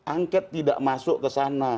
angket tidak masuk ke sana